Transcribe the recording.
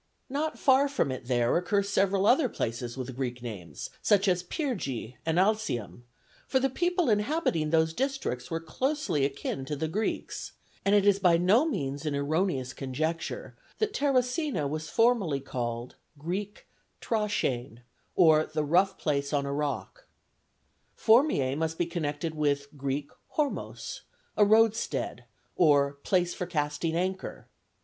Not far from it there occur several other places with Greek names, such as Pyrgi and Alsium; for the people inhabiting those districts were closely akin to the Greeks; and it is by no means an erroneous conjecture, that Terracina was formerly called [Greek: Tracheinê] or the "rough place on a rock"; Formiæ must be connected with [Greek: hormos] "a roadstead" or "place for casting anchor."